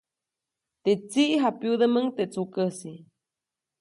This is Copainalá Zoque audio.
Teʼ tsiʼ japyudäʼmuŋ teʼ tsukäsi.